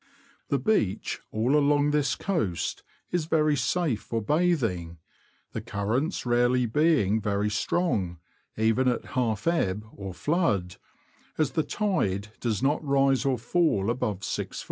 The beach all along this coast is very safe for bathing, the currents rarely being very strong, even at half ebb or flood, as the tide does not rise or fall above 6ft.